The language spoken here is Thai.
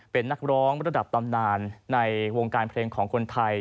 เป็นนักร้องระดับตำนานในวงการเพลงของคนไทย